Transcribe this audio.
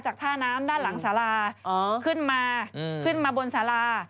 ท่าน้ำด้านหลังสาราขึ้นมาขึ้นมาบนสารา